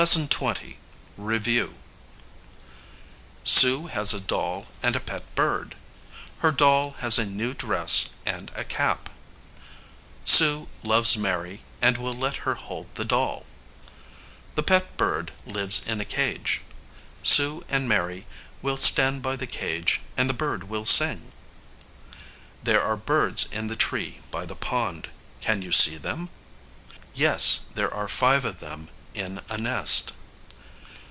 LESSON XX. REVIEW. Sue has a doll and a pet bird. Her doll has a new dress and a cap. Sue loves Mary, and will let her hold the doll. The pet bird lives in a cage. Sue and Mary will stand by the cage, and the bird will sing. There are birds in the tree by the pond. Can you see them? Yes; there are five of them in a nest.